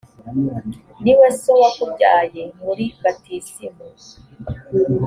niwe so wakubyaye muri batisimu,